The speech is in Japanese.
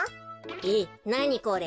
えっなにこれ？